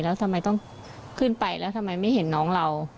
แล้วทำไมต้องขึ้นไปแล้วทำไมไม่เห็นน้องเรา